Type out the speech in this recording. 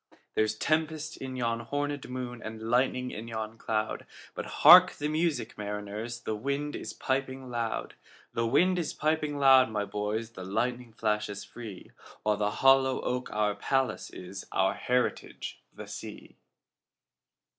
There's tempest in yon hornèd moon, And lightning in yon cloud:But hark the music, mariners! The wind is piping loud; The wind is piping loud, my boys, The lightning flashes free—While the hollow oak our palace is, Our heritage the sea.